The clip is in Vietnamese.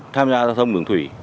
tham gia giao thông đường thủy